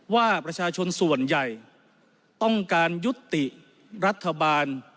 ว่าประชาชนส่วนใหญ่ต้องการยุติรัฐบาล